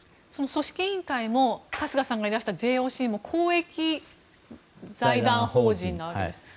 組織委員会も春日さんがいらしたＪＯＣも公益財団法人ですよね。